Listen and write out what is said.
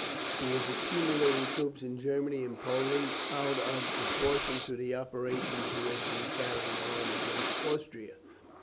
He is accumulating troops in Germany and Poland out of all proportion to the operations he has been carrying on against Austria.